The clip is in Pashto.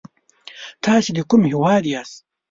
تاسې د کوم هيواد ياست؟